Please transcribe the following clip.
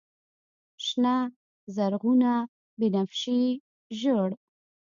شنه، زرغونه، بنفشیې، ژړ